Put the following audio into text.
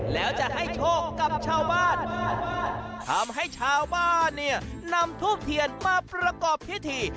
แล้วจะให้โชคกับชาวบ้านทำให้ชาวบ้านเนี่ยนำทูบเทียนมาประกอบพิธี